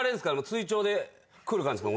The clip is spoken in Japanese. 追徴で来る感じですか？